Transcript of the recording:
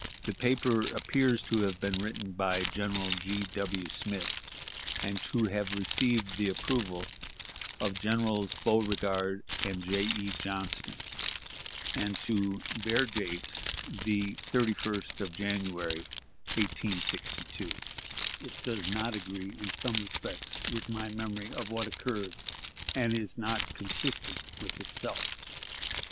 The paper appears to have been written by General G. W. Smith, and to have received the approval of Generals Beauregard and J. E. Johnston, and to bear date the 31st of January, 1862. It does not agree in some respects with my memory of what occurred, and is not consistent with itself.